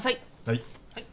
はい。